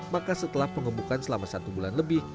maka setelah pengembukan selama satu bulan lebih